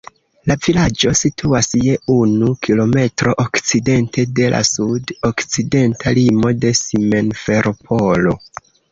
La vilaĝo situas je unu kilometro okcidente de la sud-okcidenta limo de Simferopolo.